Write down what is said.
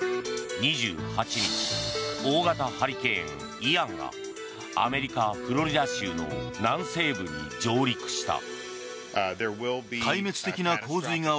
２８日大型ハリケーン、イアンがアメリカ・フロリダ州の南西部に上陸した。